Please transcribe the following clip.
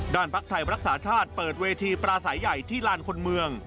ภักดิ์ไทยรักษาชาติเปิดเวทีปราศัยใหญ่ที่ลานคนเมือง